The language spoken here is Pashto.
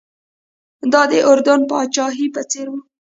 دا د اردن پاچاهۍ په څېر و.